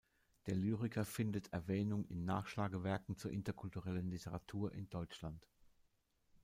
Der Lyriker findet Erwähnung in Nachschlagewerken zur interkulturellen Literatur in Deutschland.